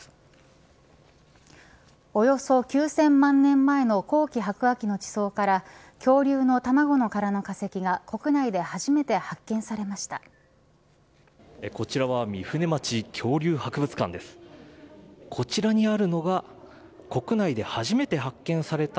およそ９０００万年前の後期白亜紀の地層から恐竜の卵の殻の化石が国内で初めて発見されました。